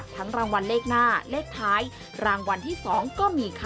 รางวัลเลขหน้าเลขท้ายรางวัลที่๒ก็มีค่ะ